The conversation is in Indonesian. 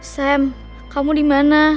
sam kamu di mana